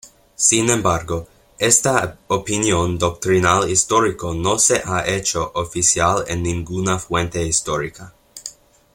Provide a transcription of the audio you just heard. Sin embargo esta opinión doctrinal-histórica no se ha hecho oficial en ninguna fuente histórica.